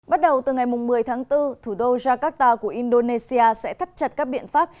bắt đầu từ ngày một mươi tháng bốn thủ đô jakarta của indonesia sẽ thắt chặt các biện pháp